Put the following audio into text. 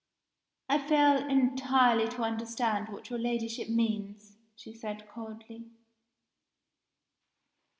"I fail entirely to understand what your Ladyship means," she said coldly.